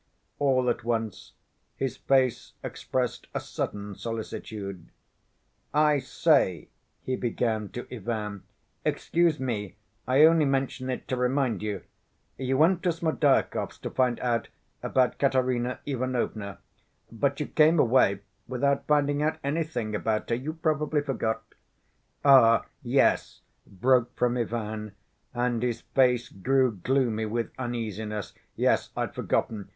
All at once his face expressed a sudden solicitude. "I say," he began to Ivan, "excuse me, I only mention it to remind you. You went to Smerdyakov's to find out about Katerina Ivanovna, but you came away without finding out anything about her, you probably forgot—" "Ah, yes," broke from Ivan and his face grew gloomy with uneasiness. "Yes, I'd forgotten